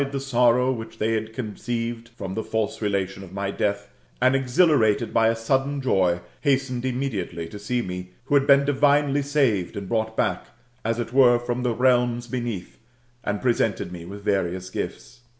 t04 THK METAMORPHOSIS, OR sorrow which they had concetTed from the &lse relation of my death, and exhilarated by a sudden joy, hastened immediately to see me, who had been dirinely saved and brought back as it were from the realms beneath, and presented me with various gifts.